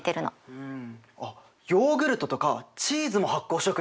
うん。